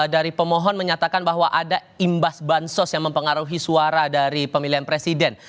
dari pemohon menyatakan bahwa ada imbas bansos yang mempengaruhi suara dari pemilihan presiden